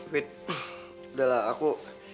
wait udahlah aku